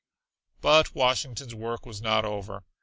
But Washington's work was not over.